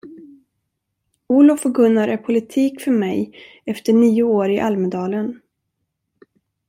Olof och Gunnar är politik för mej efter nio år i Almedalen.